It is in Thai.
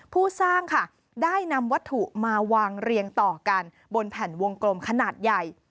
ผู้สร้างค่ะได้นำวัตถุมาวางเรียงต่อกันบนแผ่นวงกลมขนาดใหญ่